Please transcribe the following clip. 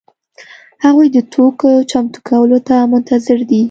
هغوی د توکو چمتو کولو ته منتظر دي.